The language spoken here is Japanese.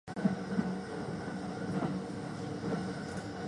足早に、駆けるようにバス停から離れ、見慣れた場所からも離れ、どこか遠くへと進んでいったんだ